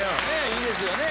いいですよね。